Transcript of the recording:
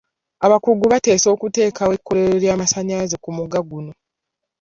Abakugu baateesa okuteekawo ekkolero ly'amasanyalaze ku mugga guno.